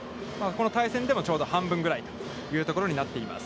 この対戦で、ちょうど半分ぐらいというところになっています。